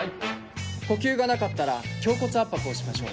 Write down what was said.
呼吸がなかったら胸骨圧迫をしましょう。